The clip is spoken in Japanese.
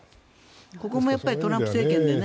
ここもトランプ政権でね。